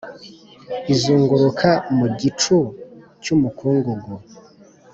izunguruka mu gicu cyumukungugu